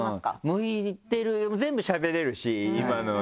向いてる全部しゃべれるし今のやつなんて。